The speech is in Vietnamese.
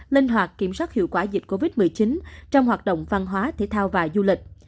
linh hoạt kiểm soát hiệu quả dịch covid một mươi chín trong hoạt động văn hóa thể thao và du lịch